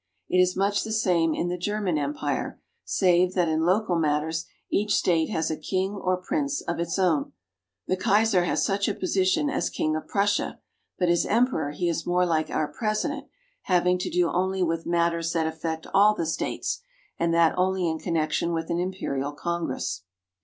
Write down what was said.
It is much the same in the German Empire, save that in local matters each state has a king or prince of its own. The Kaiser has such a position as king of HOW GERMANY IS GOVERNED. 217 Prussia, but as emperor he is more like our President, having to do only with matters that affect all the states, and that only in connection with an Imperial Congress.